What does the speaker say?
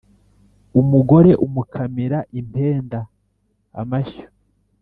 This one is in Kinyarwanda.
Umugore umukamira impenda (amashyo)